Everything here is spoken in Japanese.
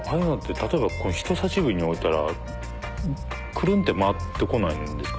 例えばここに人さし指に置いたらくるん！って回ってこないんですか？